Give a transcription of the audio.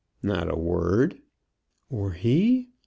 "Not a word." "Or he?